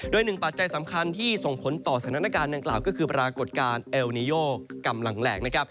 โดยหนึ่งปัจจัยสำคัญที่ส่งผลต่อสถานการณ์ดังกล่าวก็คือปรากฏการณ์เอลนิโยกำลังแหลกนะครับ